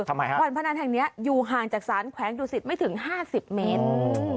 ทำไมฮะวันพนันทางเนี้ยอยู่ห่างจากสารแขวงดูสิทธิ์ไม่ถึงห้าสิบเมตรโอ้โห